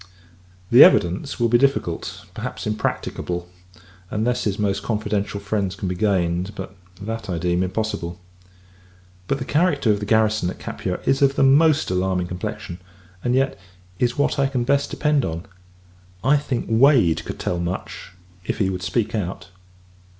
The evidence will be difficult; perhaps, impracticable: unless his most confidential friends can be gained; and that, I deem, impossible. But the character of the Garrison at Capua is of the most alarming complexion; and, yet, is what I can best depend on. I think, Wade could tell much, if he would speak out.